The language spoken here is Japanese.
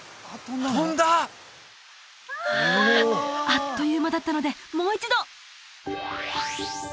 あっという間だったのでもう一度！